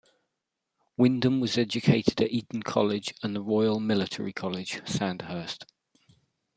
Wyndham was educated at Eton College and the Royal Military College, Sandhurst.